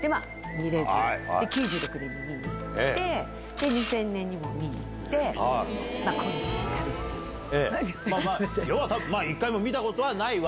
で９６年に見に行って２０００年にも見に行って今日に至るみたいな。